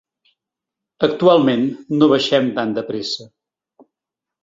Actualment, no baixem tan de pressa.